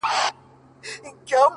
چاته د دار خبري ډيري ښې دي،